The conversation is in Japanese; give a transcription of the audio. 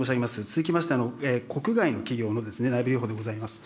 続きまして、国外の企業の内部留保でございます。